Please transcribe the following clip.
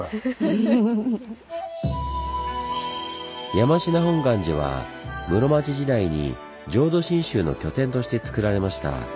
山科本願寺は室町時代に浄土真宗の拠点としてつくられました。